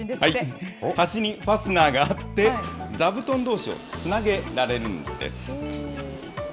端にファスナーがあって、座布団どうしをつなげられるんです。